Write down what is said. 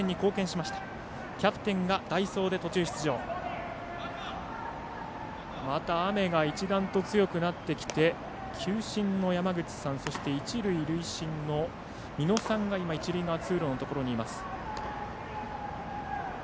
また雨が一段と強くなってきて球審の山口さんそして一塁塁審の美野さんが一塁側通路のところにいます。